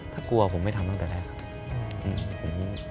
ถ้ากลัวผมไม่ทำตั้งแต่แรกครับ